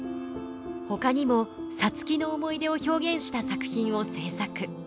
ほかにも皐月の思い出を表現した作品を制作。